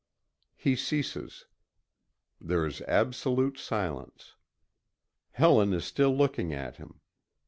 He ceases. There is absolute silence. Helen is still looking at him.